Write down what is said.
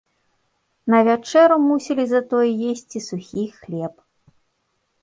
На вячэру мусілі затое есці сухі хлеб.